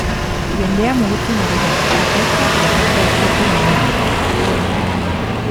Jendea mugitzen ari da, bakoitza bere parte hartzeko moduan.